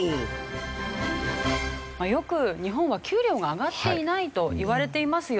よく日本は給料が上がっていないと言われていますよね。